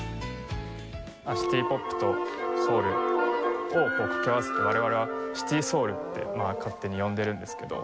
シティ・ポップとソウルを掛け合わせて我々はシティ・ソウルってまあ勝手に呼んでるんですけど。